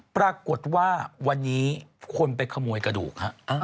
ปรากฏว่าวันนี้คนไปขโมยกระดูกฮะ